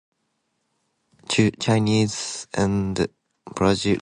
Ch- Chinese and Brazil